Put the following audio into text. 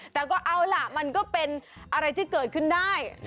แต่ก็เอาล่ะมันก็เป็นอะไรที่เกิดขึ้นได้